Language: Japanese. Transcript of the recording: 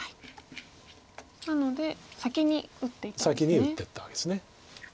なので先に打っていきましたね。